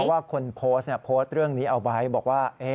ว่าคนโพสต์โพสต์เรื่องนี้เอาไว้บอกว่า